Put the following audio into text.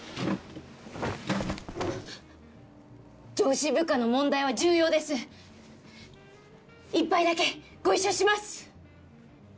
上司部下の問題は重要です一杯だけご一緒します！